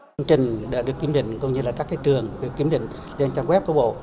công trình đã được kiểm định cũng như là các trường được kiểm định trên trang web của bộ